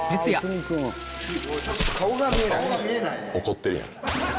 怒ってるやん。